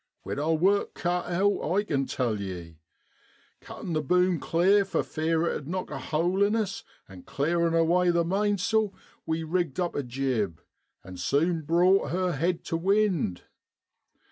We'd our work cut out, I kin tell ye. Cuttin' the boom clear for fear it 'ud knock a hole in us, an' clearin' away the mainsail, we rigged up a jib an' sune brought her head tu wind.